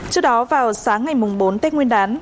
trước đó vào sáng ngày bốn tết nguyên đán